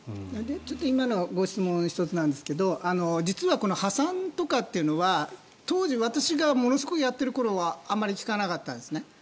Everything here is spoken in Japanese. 今のご質問に１つなんですけど実はこの破産とかというのは当時私がものすごいやっている頃はあまり聞かなかったんですね。